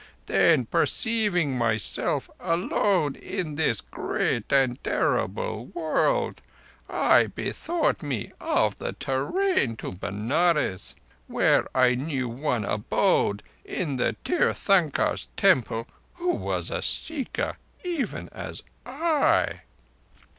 Then, perceiving myself alone in this great and terrible world, I bethought me of the te rain to Benares, where I knew one abode in the Tirthankars' Temple who was a Seeker, even as I."